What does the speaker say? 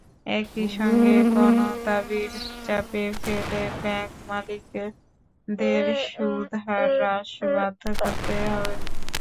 একই সঙ্গে গণদাবির চাপে ফেলে ব্যাংক মালিকদের সুদহার হ্রাসে বাধ্য করতে হবে।